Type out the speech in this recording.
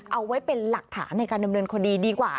เอาไว้เป็นหลักฐานในการดำเนินคดีดีกว่า